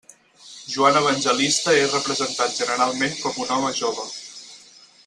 Joan Evangelista és representat generalment com un home jove.